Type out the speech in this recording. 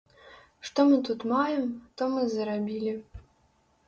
Што мы тут маем, то мы зарабілі.